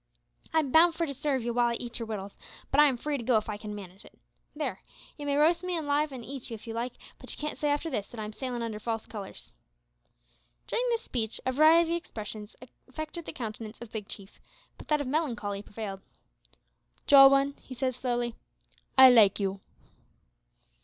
I'm bound for to sarve you while I eat your wittles, but I am free to go if I can manage it. There you may roast me alive an' eat me, if you like, but you can't say, after this, that I'm sailin' under false colours." During this speech a variety of expressions affected the countenance of Big Chief, but that of melancholy predominated. "Jowin," he said, slowly, "I like you."